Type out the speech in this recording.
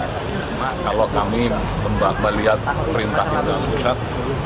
mbak mbak lihat perintahnya dalam pusat